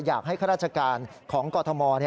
อยากให้ข้าราชการของกรทม